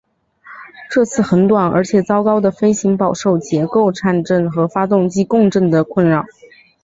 这次很短而且糟糕的飞行饱受结构颤振和发动机共振的困扰。